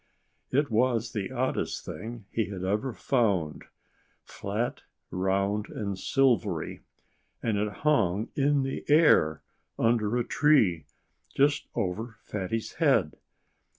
It was the oddest thing he had ever found flat, round, and silvery; and it hung in the air, under a tree, just over Fatty's head.